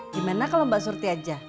gimana kalau mbak surti aja